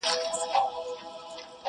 څوك به تاو كړي د بابا بګړۍ له سره.!